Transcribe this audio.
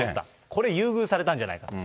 これ、優遇されたんじゃないかと。